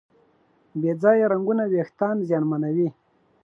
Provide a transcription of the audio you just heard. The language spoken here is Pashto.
بې ځایه رنګونه وېښتيان زیانمنوي.